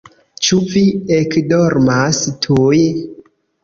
Ĉu vi ekdormas tuj?